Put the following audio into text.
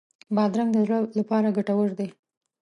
بادرنګ د زړه لپاره ګټور دی.